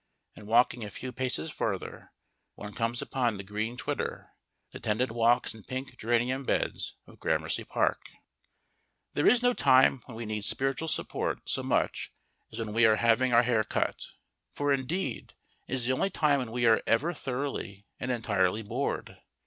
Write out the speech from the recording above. And walking a few paces further, one comes upon the green twitter, the tended walks and pink geranium beds of Gramercy Park. There is no time when we need spiritual support so much as when we are having our hair cut, for indeed it is the only time when we are ever thoroughly and entirely Bored.